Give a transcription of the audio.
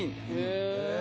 へえ。